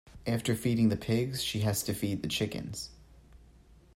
After feeding the pigs, she has to feed the chickens.